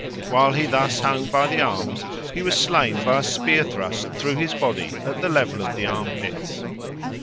While he thus hung by the arms, he was slain by a spear thrust through his body at the level of the armpits.